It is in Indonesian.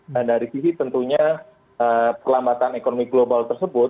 dan dari sisi tentunya perlambatan ekonomi global tersebut